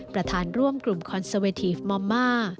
ประธานร่วมกลุ่มคอนเซอร์เวทีฟมอมม่า